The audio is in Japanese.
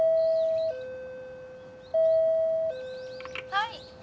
「はい」